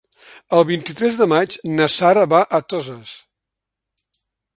El vint-i-tres de maig na Sara va a Toses.